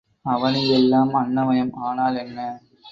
அவனி எல்லாம் அன்னமயம் ஆனால் என்ன?